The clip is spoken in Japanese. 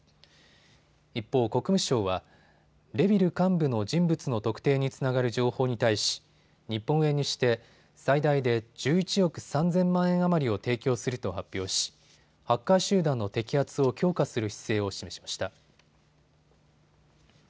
一方、国務省はＲＥｖｉｌ幹部の人物の特定につながる情報に対し日本円にして最大で１１億３０００万円余りを提供すると発表し、ハッカー集団の摘発を強化する姿勢を示しました。